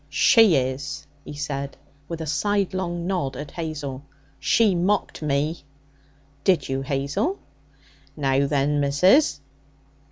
'She is,' he said, with a sidelong nod at Hazel. 'She mocked me.' 'Did you, Hazel?' 'Now then, missus!'